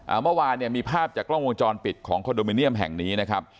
เมื่อวานเนี่ยมีภาพจากกล้องวงจรปิดของคอนโดมิเนียมแห่งนี้นะครับ